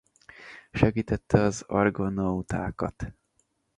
Segítette az argonautákat.